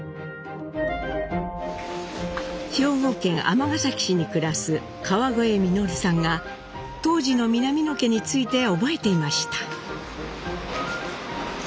兵庫県尼崎市に暮らす河越稔さんが当時の南野家について覚えていました。